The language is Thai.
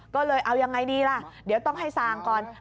ก็เลยเอายังไงดีล่ะเดี๋ยวต้องให้สั่งก่อน